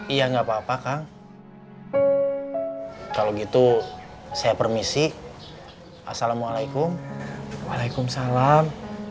iya nggak apa apa kang kalau gitu saya permisi assalamualaikum waalaikumsalam